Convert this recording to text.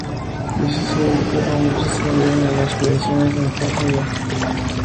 Diecisiete hombres murieron en las expediciones a la Antártida durante la edad heroica.